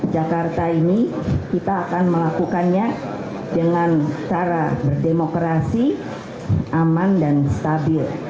jakarta ini kita akan melakukannya dengan cara berdemokrasi aman dan stabil